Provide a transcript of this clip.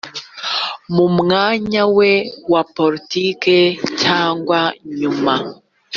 mu mwanya we wa politiki cyangwa nyuma